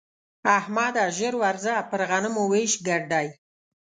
احمده! ژر ورځه پر غنمو وېش ګډ دی.